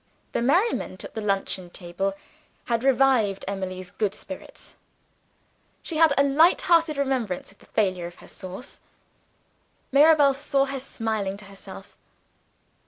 The merriment at the luncheon table had revived Emily's good spirits. She had a light hearted remembrance of the failure of her sauce. Mirabel saw her smiling to herself.